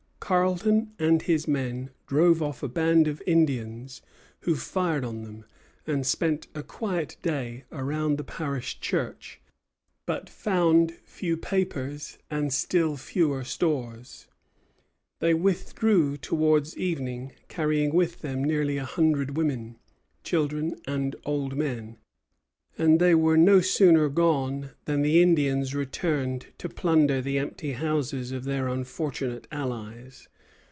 Carleton and his men drove off a band of Indians who fired on them, and spent a quiet day around the parish church; but found few papers, and still fewer stores. They withdrew towards evening, carrying with them nearly a hundred women, children, and old men; any they were no sooner gone than the Indians returned to plunder the empty houses of their unfortunate allies.